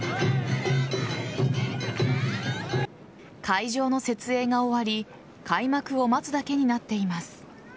会場の設営が終わり開幕を待つだけになっています。